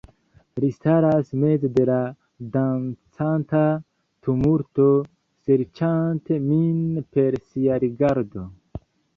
Li staras meze de la dancanta tumulto, serĉante min per sia rigardo..